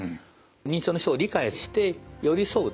認知症の人を理解して寄り添うと。